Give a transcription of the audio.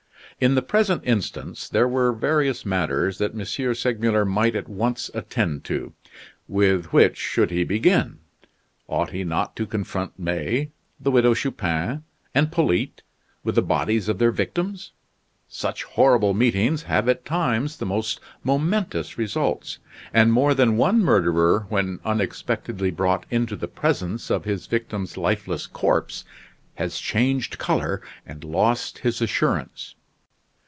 In the present instance there were various matters that M. Segmuller might at once attend to. With which should he begin? Ought he not to confront May, the Widow Chupin, and Polyte with the bodies of their victims? Such horrible meetings have at times the most momentous results, and more than one murderer when unsuspectedly brought into the presence of his victim's lifeless corpse has changed color and lost his assurance.